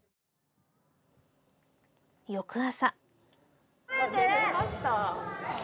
翌朝。